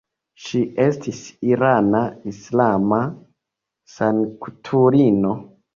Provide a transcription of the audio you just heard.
Ŝi estis irana islama sanktulino.